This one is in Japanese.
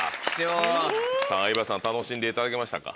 さぁ相葉さん楽しんでいただけましたか？